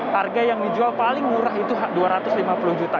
harga yang dijual paling murah itu dua ratus lima puluh juta